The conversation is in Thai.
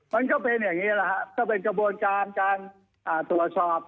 มันก็เป็นอย่างนี้แหละครับก็เป็นกระบวนการการตรวจสอบ